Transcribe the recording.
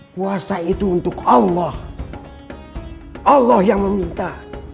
puasa itu untuk allah allah yang meminta